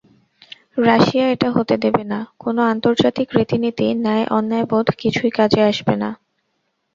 Russia এটা হতে দেবে না, কোনো আন্তর্জাতিক রীতিনীতি, ন্যায়-অন্যায়বোধ—কিছুই কাজে আসবে না।